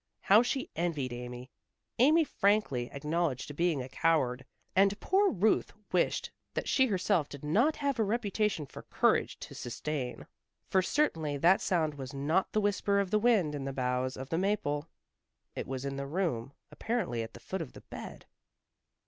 How she envied Amy. Amy frankly acknowledged to being a coward, and poor Ruth wished that she herself did not have a reputation for courage to sustain. For certainly that sound was not the whisper of the wind in the boughs of the maple. It was in the room, apparently at the foot of the bed.